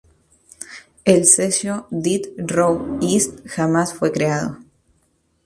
El sello Death Row East jamás fue creado.